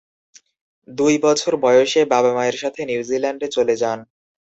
দুই বছর বয়সে বাবা-মায়ের সাথে নিউজিল্যান্ডে চলে যান।